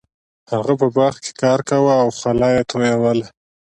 هغه په باغ کې کار کاوه او خوله یې تویوله.